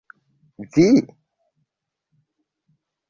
Vi?